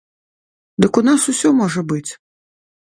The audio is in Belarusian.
Дык у нас усё можа быць!